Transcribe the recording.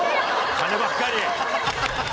金ばっかり！